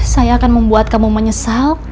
saya akan membuat kamu menyesal